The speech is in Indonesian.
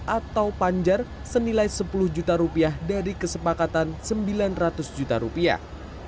atau panjar senilai sepuluh juta rupiah dari kesepakatan sembilan ratus juta rupiah